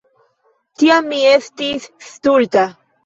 Tiam mi estis stulta.